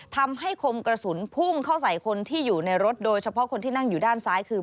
ทำให้คมกระสุนพุ่งเข้าใส่คนที่อยู่ในรถโดยเฉพาะคนที่นั่งอยู่ด้านซ้ายคือ